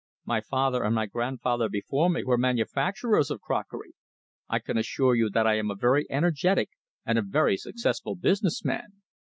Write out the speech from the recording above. My father and my grandfather before me were manufacturers of crockery. I can assure you that I am a very energetic and a very successful business man.